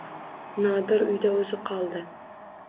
Nodir uyda o’zi qoldi.